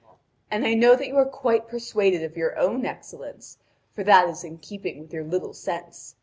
And I know that you are quite persuaded of your own excellence, for that is in keeping with your little sense.